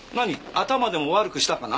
頭でも悪くしたかな？